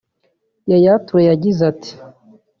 Yaya Toure yagize ati